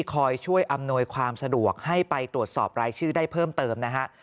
คอยช่วยอำนวยความสะดวกให้ไปตรวจสอบรายชื่อได้เพิ่มเติมนะฮะ